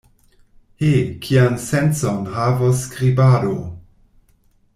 He, kian sencon havos skribado!